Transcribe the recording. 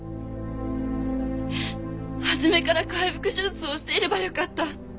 初めから開腹手術をしていれば良かった。